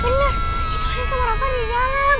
bener itu kan sama rafa ada di dalam